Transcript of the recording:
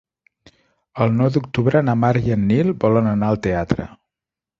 El nou d'octubre na Mar i en Nil volen anar al teatre.